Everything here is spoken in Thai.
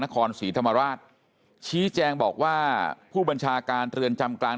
นครศรีธรรมราชชี้แจงบอกว่าผู้บัญชาการเรือนจำกลาง